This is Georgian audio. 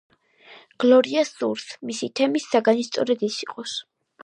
გლორიას სურს, მისი თემის საგანი სწორედ ის იყოს.